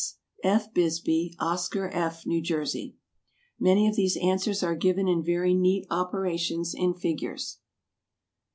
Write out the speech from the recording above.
S., F. Bisbee. Oscar F., New Jersey. Many of these answers are given in very neat operations in figures.